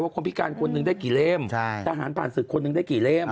คนพิการคนหนึ่งได้กี่เล่มทหารผ่านศึกคนหนึ่งได้กี่เล่ม